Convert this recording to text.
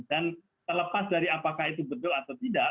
dan terlepas dari apakah itu betul atau tidak